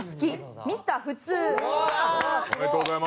おめでとうございます。